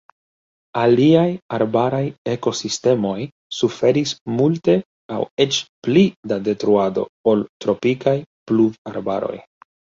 Aliaj arbaraj ekosistemoj suferis multe aŭ eĉ pli da detruado ol tropikaj pluvarbaroj.